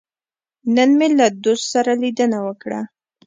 نن مې له دوست سره لیدنه وکړه.